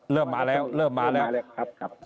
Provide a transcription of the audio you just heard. เริ่มมาแล้วเริ่มมาแล้วครับ